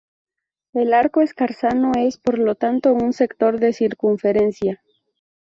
El arco escarzano es, por lo tanto un sector de circunferencia.